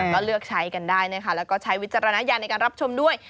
ก็เลือกใช้กันได้นะคะแล้วก็ใช้วิจารณญาณในการรับชมด้วย